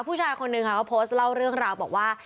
ผู้ชายคนหนึ่งค่ะเขาโพสต์เล่าเรื่องราวบอกว่า